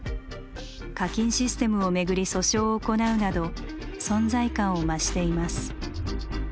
課金システムを巡り訴訟を行うなど存在感を増しています。